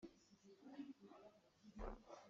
Ar hmul a phawimi khi ka u a si.